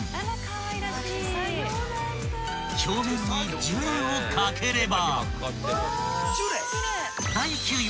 ［表面にジュレを掛ければ］